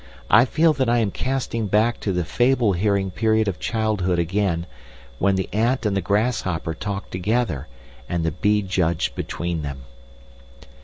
I feel that I am casting back to the fable hearing period of childhood again, when the ant and the grasshopper talked together and the bee judged between them..."